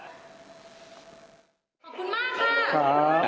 ขอบคุณมากค่ะ